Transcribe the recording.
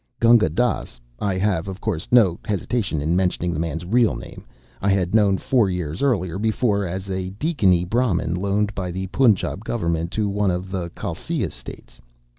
Gunga Dass, (I have, of course, no hesitation in mentioning the man's real name) I had known four years before as a Deccanee Brahmin loaned by the Punjab Government to one of the Khalsia States.